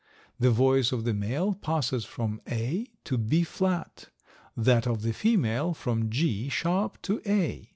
The voice of the male passes from A to B flat; that of the female from G sharp to A.